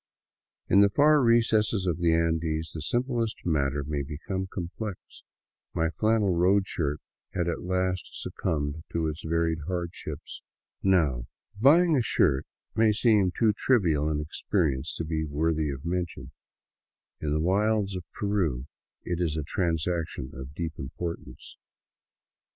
In the far recesses of the Andes the simplest matter may become complex. My flannel road shirt had at last succumbed to its varied hardships. Now, buying a shirt may seem too trivial an experience to be worthy of mention; in the wilds of Peru it is a transaction of deep importance.